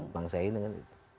bangsai dengan itu